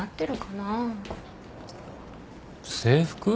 制服？